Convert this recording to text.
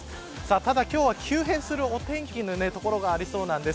ただ今日は、急変するお天気の所がありそうなんです。